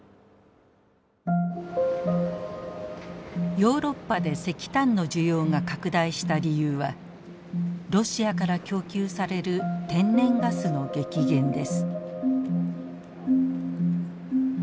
ヨーロッパで石炭の需要が拡大した理由はロシアから供給される天然ガスの激減です。